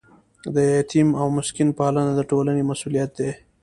د یتیم او مسکین پالنه د ټولنې مسؤلیت دی.